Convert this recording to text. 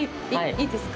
いいですか？